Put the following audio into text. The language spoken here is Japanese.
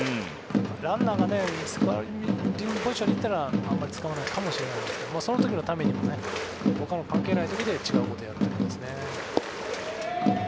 ランナーがスコアリングポジションに行ったらあまり使わないかもしれないですがその時のためにもほかの関係ないところで違うことをやるということですね。